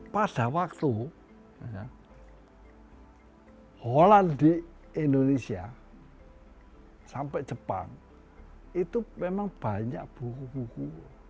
pada waktu holland di indonesia sampai jepang itu memang banyak buku buku